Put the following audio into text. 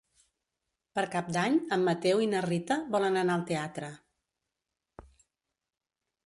Per Cap d'Any en Mateu i na Rita volen anar al teatre.